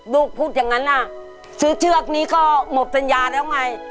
พูดอย่างนั้นน่ะซื้อเชือกนี้ก็หมดปัญญาแล้วไง